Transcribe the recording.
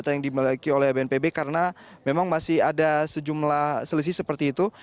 yang dimiliki oleh bnpb karena memang masih ada sejumlah selisih seperti itu